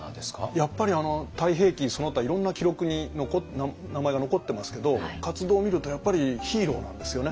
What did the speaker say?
やっぱり「太平記」その他いろんな記録に名前が残ってますけど活動を見るとやっぱりヒーローなんですよね。